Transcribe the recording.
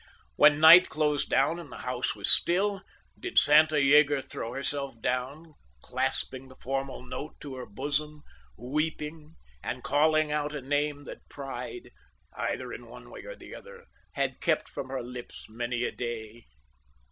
When night closed down and the house was still, did Santa Yeager throw herself down, clasping that formal note to her bosom, weeping, and calling out a name that pride (either in one or the other) had kept from her lips many a day?